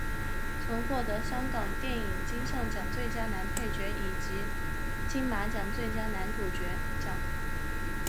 曾获得香港电影金像奖最佳男配角以及金马奖最佳男主角奖。